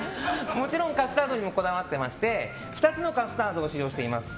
もちろんカスタードにもこだわっていまして２つのカスタードを使用しています。